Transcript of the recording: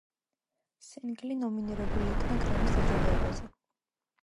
სინგლი ნომინირებული იქნა გრემის დაჯილდოებაზე.